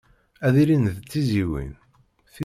Ad ilin d tizzyiwin.